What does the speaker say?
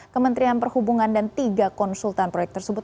kementerian perhubungan dan tiga konsultan proyek tersebut